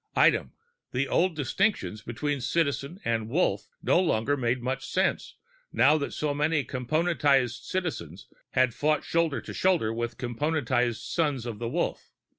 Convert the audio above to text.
Item: the old distinctions between Citizen and Wolf no longer made much sense now that so many Componentized Citizens had fought shoulder to shoulder with Componentized Sons of the Wolf.